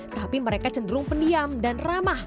tapi mereka cenderung pendiam dan ramah